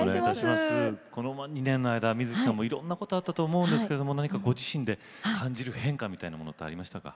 この２年の間水樹さんも、いろんなことあったと思いますが何かご自身で感じる変化みたいなのってありましたか。